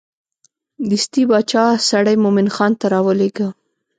دستې باچا سړی مومن خان ته راولېږه.